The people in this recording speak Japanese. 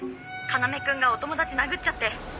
要君がお友達殴っちゃって。